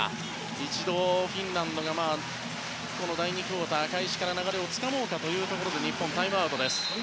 一度フィンランドがこの第２クオーター開始から流れをつかもうかというところで日本、タイムアウトです。